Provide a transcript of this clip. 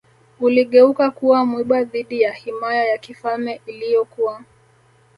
uligeuka kuwa mwiba dhidi ya himaya ya kifalme iliyokuwa